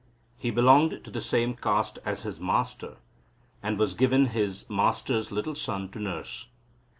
He belonged to the same caste as his master, and was given his master's little son to nurse.